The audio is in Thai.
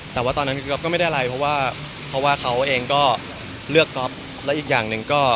แต่ว่าตอนนั้นก็ไม่ได้อะไรเพราะว่าเขาเองก็เลือกก็และอีกอย่างหนึ่งก็